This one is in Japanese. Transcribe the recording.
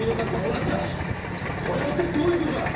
これは一体どういうことだ！？